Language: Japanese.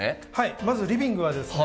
まずリビングはですね